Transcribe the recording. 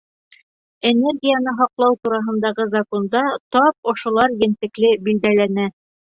Энергияны һаҡлау тураһындағы законда тап ошолар ентекле билдәләнә.